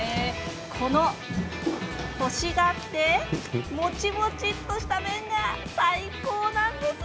このコシがあってもちもちとした麺が最高なんですよね。